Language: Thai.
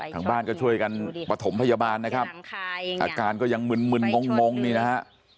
ทางบ้านก็ช่วยกันประถมพยาบาลนะครับอาการก็ยังมึนมึนงงนี่นะฮะ